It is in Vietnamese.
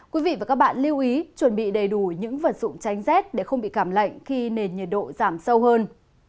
quý vị và các bạn lưu ý chuẩn bị đầy đủ những vật dụng tránh rét để không bị cảm lạnh khi nền nhiệt độ giảm sâu hơn